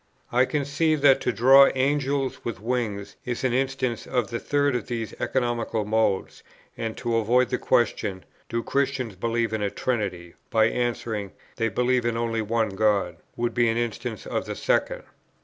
I conceive that to draw Angels with wings is an instance of the third of these economical modes; and to avoid the question, "Do Christians believe in a Trinity?" by answering, "They believe in only one God," would be an instance of the second.